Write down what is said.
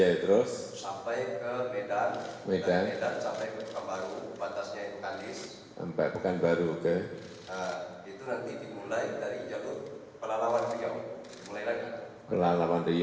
itu kita baru masuk ke daerah jambang